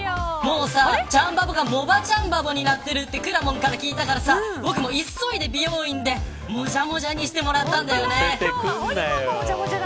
ちゃんバボがもじゃちゃんバボになってるってくらもんから聞いたから僕も急いで美容院でもじゃもじゃにしてもらったんだよね。